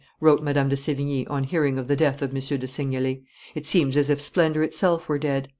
wrote Madame de Sevigne, on hearing of the death of M. de Seignelay, "it seems as if splendor itself were dead."